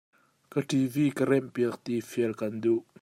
Ka TV ka remh piak ti fial kan duh.